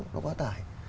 nó quá tải